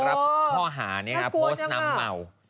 รับข้อหานี้ครับโพสต์น้ำเมา